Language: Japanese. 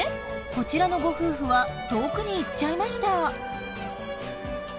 こちらのご夫婦は遠くに行っちゃいました。